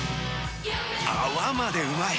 泡までうまい！